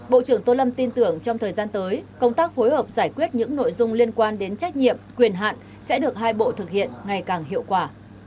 bộ trưởng tô lâm tin tưởng trong thời gian tới công tác phối hợp giải quyết những nội dung liên quan đến trách nhiệm quyền hạn sẽ được hai bộ thực hiện ngày càng hiệu quả